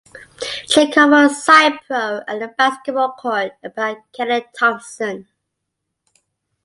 Jake confronts Spyro at the basketball court about Kenny Thompson.